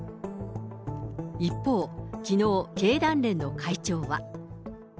一方、きのう、経団連の会長は。